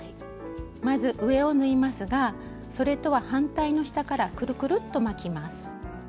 まず上を縫いますがそれとは反対の下からくるくるっと巻きます。